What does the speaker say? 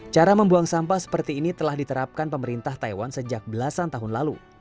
cara membuang sampah seperti ini telah diterapkan pemerintah taiwan sejak belasan tahun lalu